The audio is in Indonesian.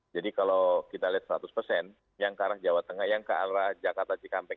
jadi kalau kita lihat seratus persen yang ke arah jawa tengah yang ke arah jakarta cikampek